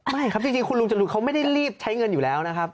ไม่ครับจริงคุณลุงจรูนเขาไม่ได้รีบใช้เงินอยู่แล้วนะครับ